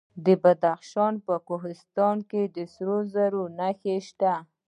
د بدخشان په کوهستان کې د سرو زرو نښې شته.